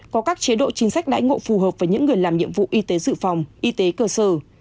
có các chế độ chính sách đãi ngộ phù hợp với những người làm nhiệm vụ y tế dự phòng y tế cơ sở